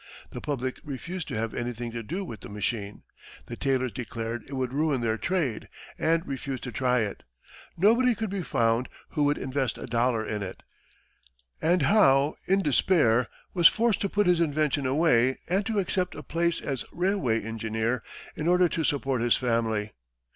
The public refused to have anything to do with the machine. The tailors declared it would ruin their trade, and refused to try it; nobody could be found who would invest a dollar in it; and Howe, in despair, was forced to put his invention away and to accept a place as railway engineer in order to support his family.